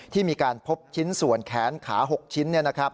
ที่มีการพบชิ้นส่วนแขนขา๖ชิ้น